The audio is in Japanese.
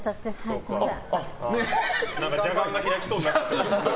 すみません。